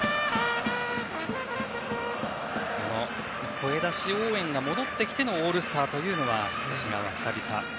声出し応援が戻ってきてのオールスターというのは久々。